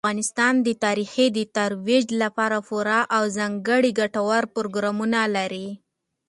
افغانستان د تاریخ د ترویج لپاره پوره او ځانګړي ګټور پروګرامونه لري.